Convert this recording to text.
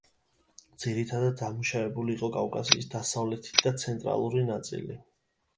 ძირითადად დამუშავებული იყო კავკასიის დასავლეთი და ცენტრალური ნაწილი.